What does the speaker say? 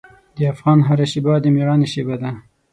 د افغان هره شېبه د میړانې شېبه ده.